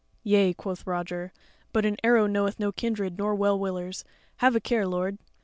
"Yea," quoth Roger, "but an arrow knoweth no kindred nor well willers: have a care, lord."